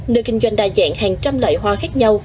nơi kinh doanh đa dạng hàng trăm loại hoa khác nhau